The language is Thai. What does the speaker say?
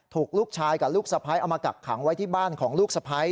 ถูกลูกชายกับลูกสะพ้ายเอามากักขังไว้ที่บ้านของลูกสะพ้าย